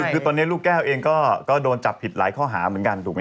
คือตอนนี้ลูกแก้วเองก็โดนจับผิดหลายข้อหาเหมือนกันถูกไหม